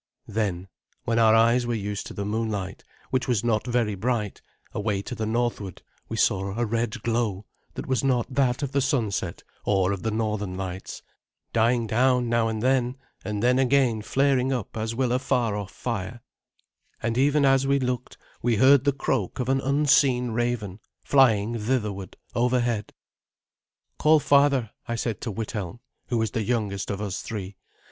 Then, when our eyes were used to the moonlight, which was not very bright, away to the northward we saw a red glow that was not that of the sunset or of the northern lights, dying down now and then, and then again flaring up as will a far off fire; and even as we looked we heard the croak of an unseen raven flying thitherward overhead. "Call father," I said to Withelm, who was the youngest of us three.